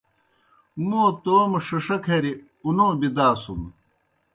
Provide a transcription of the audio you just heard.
موْں توموْ ݜِݜہ کھری اُنو بِداسُن۔